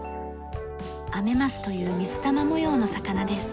アメマスという水玉模様の魚です。